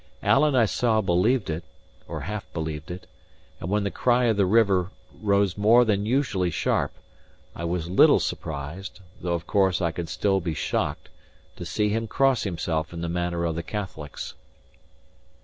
Alan I saw believed it, or half believed it; and when the cry of the river rose more than usually sharp, I was little surprised (though, of course, I would still be shocked) to see him cross himself in the manner of the Catholics.